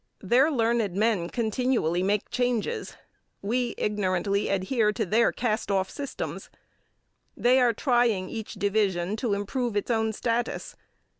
Their learned men continually make changes. We ignorantly adhere to their cast off systems. They are trying each division to improve its own status.